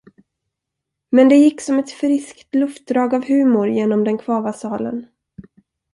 Men det gick som ett friskt luftdrag av humor genom den kvava salen.